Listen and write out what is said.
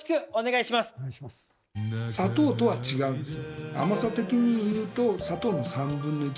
砂糖とは違うんですよ。